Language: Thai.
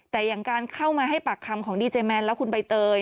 แต่อย่างการเข้ามาให้ปากคำของดีเจแมนและคุณใบเตย